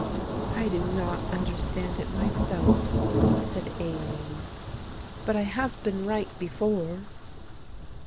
"I do not understand it myself," said Aline, "but I have been right before."